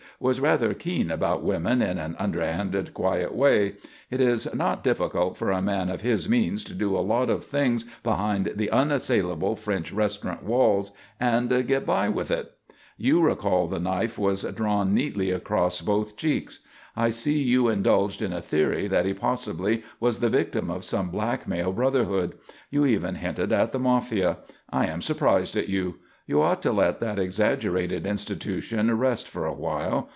Was rather keen about women in an underhanded, quiet way. It is not difficult for a man of his means to do a lot of things behind the unassailable French restaurant walls and get by with it. "You recall the knife was drawn neatly across both cheeks. I see you indulged in a theory that he possibly was the victim of some blackmail brotherhood. You even hinted at the Mafia. I am surprised at you. You ought to let that exaggerated institution rest for a while.